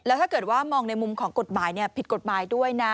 ถ้าเกิดว่ามองในมุมของกฎหมายผิดกฎหมายด้วยนะ